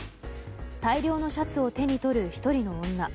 大量のシャツを手に取る１人の女。